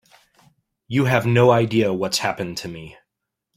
You have no idea what's happened to me.